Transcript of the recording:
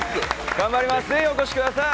頑張ります、ぜひお越しください！